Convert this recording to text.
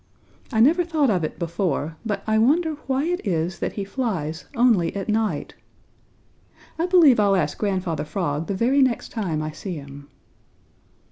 I never thought of it before, but I wonder why it is that he flies only at night. I believe I'll ask Grandfather Frog the very next time I see him."